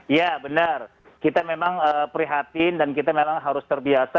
iya benar kita memang prihatin dan kita memang harus terbiasa